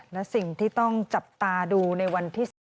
และสิ่งที่ต้องจับตาดูในวันที่๑